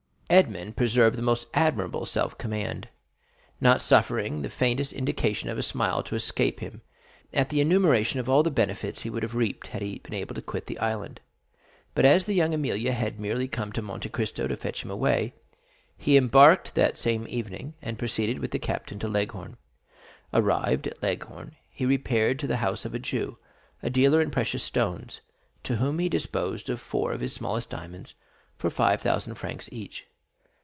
0311m Edmond preserved the most admirable self command, not suffering the faintest indication of a smile to escape him at the enumeration of all the benefits he would have reaped had he been able to quit the island; but as La Jeune Amélie had merely come to Monte Cristo to fetch him away, he embarked that same evening, and proceeded with the captain to Leghorn. Arrived at Leghorn, he repaired to the house of a Jew, a dealer in precious stones, to whom he disposed of four of his smallest diamonds for five thousand francs each.